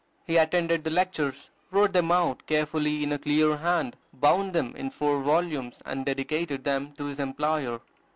He attended the lectures, wrote them out carefully in a clear hand, bound them in four volumes, and dedicated them to his employer.